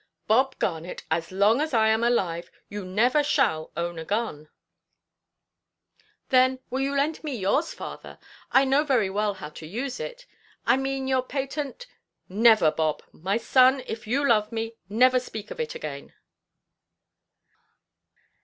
"Bob Garnet, as long as I am alive, you never shall have a gun." "Then, will you lend me yours, father? I know very well how to use it. I mean your patent——" "Never, Bob. My son, if you love me, never speak of it again."